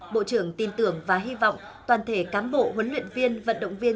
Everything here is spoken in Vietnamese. bộ trưởng tin tưởng và hy vọng toàn thể cám bộ huấn luyện viên vật động viên